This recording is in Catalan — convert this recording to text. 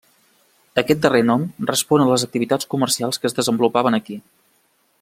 Aquest darrer nom respon a les activitats comercials que es desenvolupaven aquí.